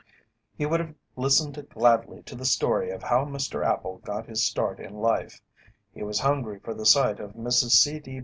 He would have listened gladly to the story of how Mr. Appel got his start in life; he was hungry for the sight of Mrs. C. D.